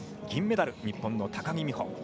銀メダル、日本の高木美帆。